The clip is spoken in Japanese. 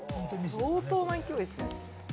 相当な勢いですね。